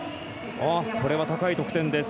これは高い得点です。